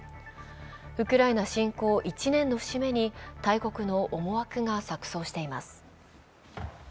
ウクライナ侵攻１年の節目に大国の思惑が錯そうしています。